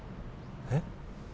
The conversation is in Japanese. えっ？